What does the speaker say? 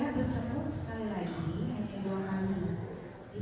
tidak bisa diketahui